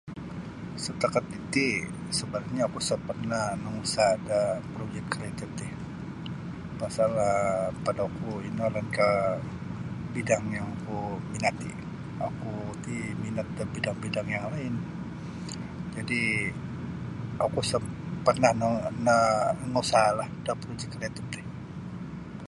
Satakat titi sebabnyo oku isa parnah nangusaha' da projek kreatif ti pasal pada oku ino lainkah bidang yang kuminati oku ti minat da bidang -bidang yang lain jadi oku isa' parnah nangusaha'lah da projek kreatif ti